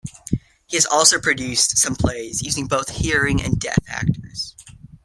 He has also produced some plays, using both hearing and deaf actors.